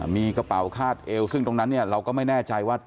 มีกระเป๋าคาดเอวซึ่งตรงนั้นเนี่ยเราก็ไม่แน่ใจว่า